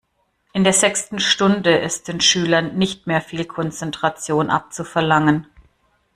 In der sechsten Stunde ist den Schülern nicht mehr viel Konzentration abzuverlangen.